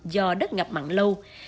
do đất ngập mặn lâu